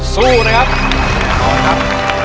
สู้นะครับ